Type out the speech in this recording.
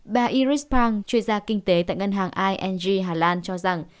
bà iris pang chuyên gia kinh tế tại ngân hàng ing hà lan cho rằng